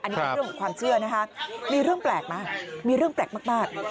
อันนี้เป็นเรื่องของความเชื่อนะคะมีเรื่องแปลกนะมีเรื่องแปลกมาก